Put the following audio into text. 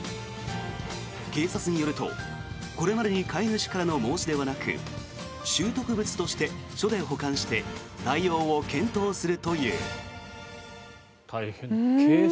警察によると、これまでに飼い主からの申し出はなく拾得物として署で保管して対応を検討するという。